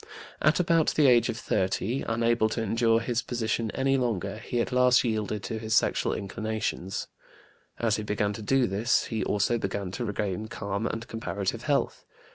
At about the age of 30, unable to endure his position any longer, he at last yielded to his sexual inclinations. As he began to do this, he also began to regain calm and comparative health.